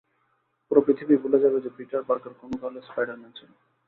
পুরো পৃথিবীই ভুলে যাবে যে, পিটার পার্কার কোনোকালে স্পাইডার-ম্যান ছিল।